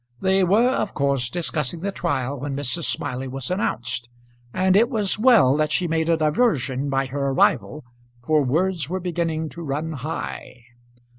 They were of course discussing the trial when Mrs. Smiley was announced; and it was well that she made a diversion by her arrival, for words were beginning to run high.